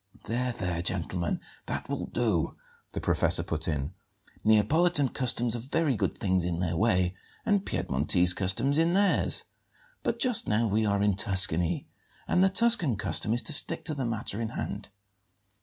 "There, there, gentlemen, that will do!" the professor put in. "Neapolitan customs are very good things in their way and Piedmontese customs in theirs; but just now we are in Tuscany, and the Tuscan custom is to stick to the matter in hand.